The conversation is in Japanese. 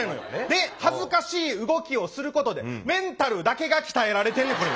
で恥ずかしい動きをすることでメンタルだけが鍛えられてんねんこれ。